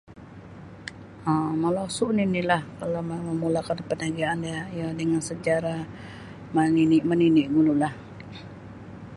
um molosu' nini'lah kalau mau mamulakan parniagaan ya dengan secara manini' manini' mula.